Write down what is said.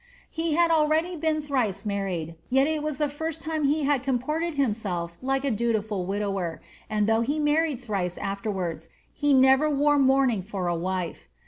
He had already been thrice manied, yet it was the first time he had comported himself like a du tiful widower ; and though he married thrice afterwards, he never wore mouming for a wife.